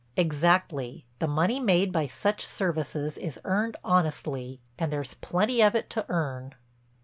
"Exactly. The money made by such services is earned honestly and there's plenty of it to earn."